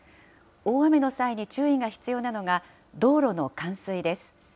大雨の際に注意が必要なのが、道路の冠水です。